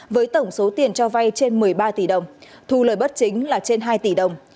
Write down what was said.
với tổng số tiền cho vay trên một mươi ba tỷ đồng thu lời bất chính là trên hai tỷ đồng